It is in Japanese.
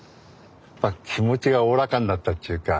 気持ちがおおらかになったちゅうか。